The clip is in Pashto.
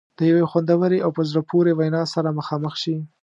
د یوې خوندورې او په زړه پورې وینا سره مخامخ شي.